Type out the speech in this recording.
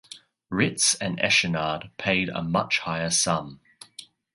Ritz and Echenard paid a much higher sum.